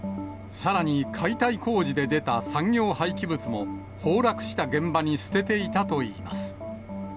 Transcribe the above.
さらに解体工事で出た産業廃棄物も崩落した現場に捨てていたといいます。